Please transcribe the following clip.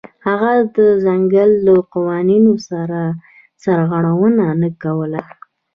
هغه د ځنګل له قوانینو سرغړونه نه کوله.